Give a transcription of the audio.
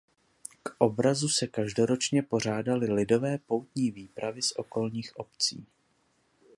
K obrazu se každoročně pořádaly lidové poutní výpravy z okolních obcí.